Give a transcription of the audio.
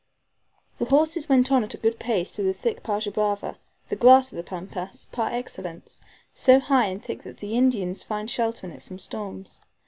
The horses went on at a good pace through the thick PAJA BRAVA, the grass of the Pampas, par excellence, so high and thick that the Indians find shelter in it from storms.